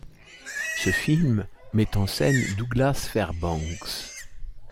Ce film met en scène Douglas Fairbanks.